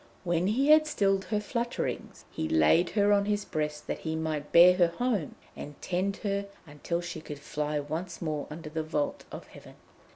When he had stilled her flutterings, he laid her on his breast, that he might bear her home and tend her until she could fly once more under the vault of heaven.